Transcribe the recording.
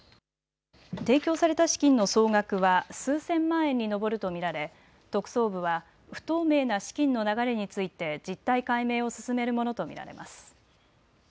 提供された資金の総額は数千万円に上ると見られ特捜部は不透明な資金の流れについて実態解明を進めるものと見られます。